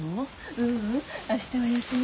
ううん明日は休み。